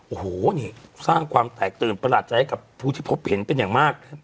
โอ้โหนี่สร้างความแตกตื่นประหลาดใจให้กับผู้ที่พบเห็นเป็นอย่างมาก